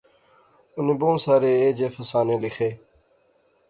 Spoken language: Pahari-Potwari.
اُنی بہوں سارے ایہہ جئے افسانے لیخے